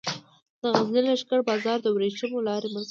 د غزني لښکر بازار د ورېښمو لارې مرکز و